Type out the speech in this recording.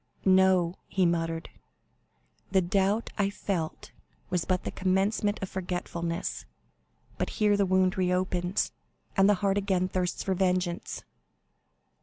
"No," he muttered, "the doubt I felt was but the commencement of forgetfulness; but here the wound reopens, and the heart again thirsts for vengeance.